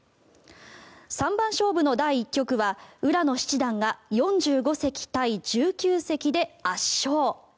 三番勝負の第１局は浦野健人七段が４５石対１９石で圧勝。